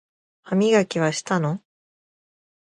歯磨きはしたの？